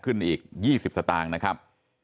ขึ้นอีก๒๐สตางค์นะครับ